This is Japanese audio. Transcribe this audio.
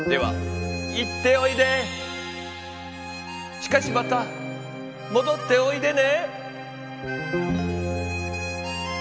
しかしまたもどっておいでね。